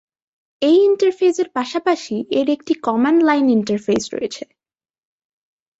এই ইন্টারফেসের পাশাপাশি এর একটি কমান্ড লাইন ইন্টারফেস রয়েছে।